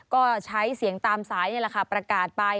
ก็ใช้เสียงตามสายนี่แหละค่ะประกาศไป